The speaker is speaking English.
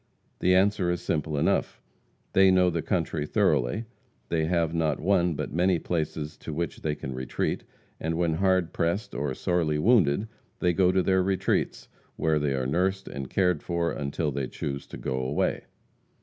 The answer is simple enough. They know the country thoroughly; they have, not one, but many places to which they can retreat, and when hard pressed or sorely wounded, they go to their retreats, where they are nursed and cared for until they choose to go away.